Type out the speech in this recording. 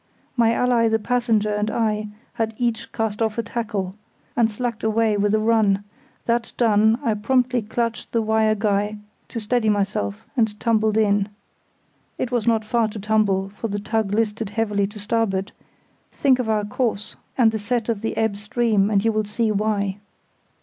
My ally the Passenger and I had each cast off a tackle, and slacked away with a run; that done, I promptly clutched the wire guy to steady myself, and tumbled in. (It was not far to tumble, for the tug listed heavily to starboard; think of our course, and the set of the ebb stream, and you will see why.)